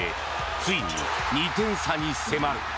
ついに２点差に迫る。